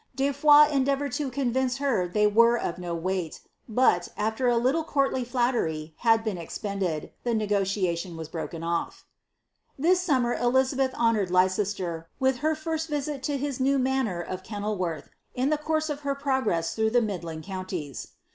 De Foys endeavoured to convince her they were of no weight, but, after a little courtly flattery had been expended, the negotiation was broken off.' This summer Elizabeth honoured Leicester with her first visit to his new manor of Kenil worth, in the course of her progress t}i rough the midland counties.